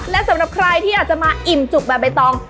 และสำหรับใครที่อยากจะมาอิ่มจุกแบบใบตอง